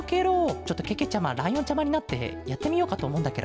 ちょっとけけちゃまライオンちゃまになってやってみようかとおもうんだケロ。